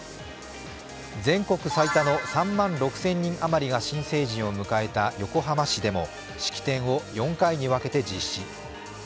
全国最多の３万６０００人余りが新成人を迎えた横浜市でも式典を４回に分けて実施。